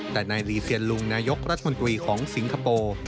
แต่นายลีเซียนลุงนายกรัฐมนตรีของสิงคโปร์